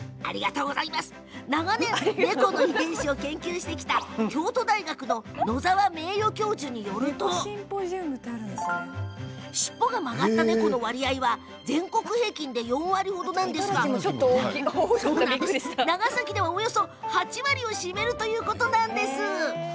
長年、猫の遺伝子を研究してきた京都大学の野澤名誉教授によるとしっぽが曲がった猫の割合は全国平均で４割程なんですが長崎では、およそ８割を占めるということなんです。